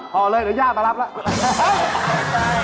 พอเลยเดี๋ยวย่ามารับแล้ว